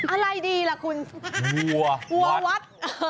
อะไรดีล่ะคุณวัววัด